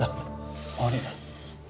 あれ？